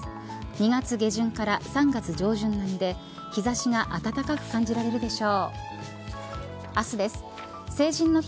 ２月下旬から３月上旬並みで日差しが暖かく感じられるでしょう。